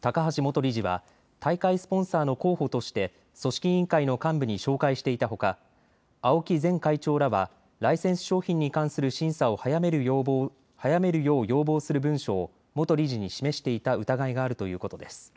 高橋元理事は大会スポンサーの候補として組織委員会の幹部に紹介していたほか青木前会長らはライセンス商品に関する審査を早めるよう要望する文書を元理事に示していた疑いがあるということです。